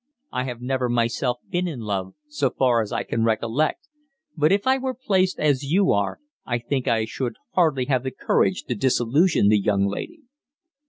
I have never myself been in love, so far as I can recollect, but if I were placed as you are I think I should hardly have the courage to disillusion the young lady."